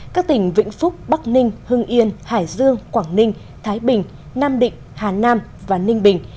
các tỉnh vĩnh phúc bắc ninh hưng yên hải dương quảng ninh thái bình nam định hà nam và ninh bình